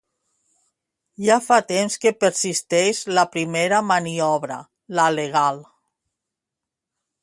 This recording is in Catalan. Ja fa temps que persisteix la primera maniobra, la legal.